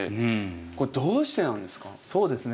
これどうしてなんですか？